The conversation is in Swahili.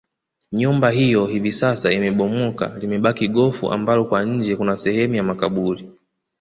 Nyumba hiyo hivi sasa imebomoka limebaki gofu ambalo kwa nje kuna sehemu ya makaburi